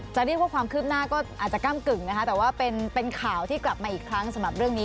จะเรียกว่าความคืบหน้าก็อาจจะก้ำกึ่งนะคะแต่ว่าเป็นข่าวที่กลับมาอีกครั้งสำหรับเรื่องนี้